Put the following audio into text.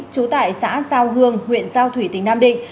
trú tại xã sao hương huyện sao thủy tỉnh nam định